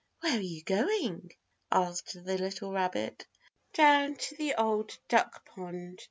"Where are you going?" asked the little rabbit. "Down to the Old Duck Pond.